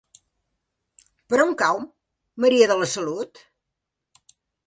Per on cau Maria de la Salut?